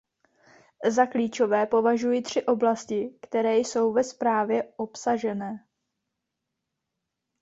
Za klíčové považuji tři oblasti, které jsou ve zprávě obsažené.